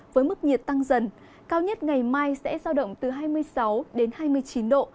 với mức nhiệt tăng dần cao nhất ngày mai sẽ giao động từ hai mươi sáu đến hai mươi chín độ